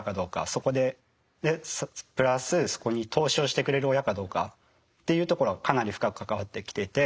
そこでプラスそこに投資をしてくれる親かどうかっていうところはかなり深く関わってきていて。